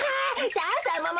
さあさあもも